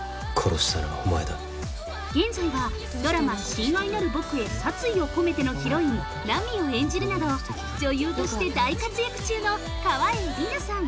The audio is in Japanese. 現在は、ドラマ「親愛なる僕へ殺意をこめて」のヒロイン・ナミを演じるなど、女優として大活躍中の川栄李奈さん！